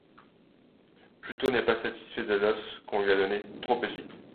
Pluto n'est pas satisfait de l'os qu'on lui a donné, trop petit.